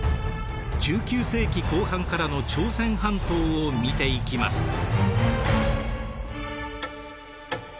１９世紀後半からの朝鮮半島を見ていきます。